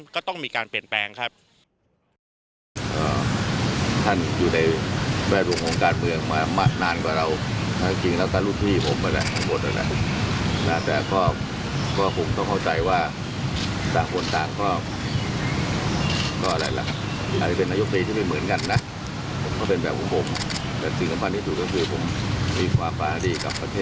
ก็ต้องมีการเปลี่ยนแปลงครับ